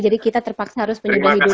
jadi kita terpaksa harus menjaga hidup